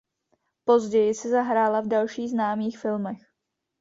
Později si zahrála v dalších známých filmech.